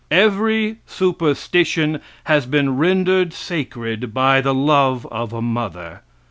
Every superstition has been rendered sacred by the love of a mother.